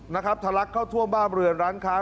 ทะลักเข้าท่วมบ้านเรือนร้านค้า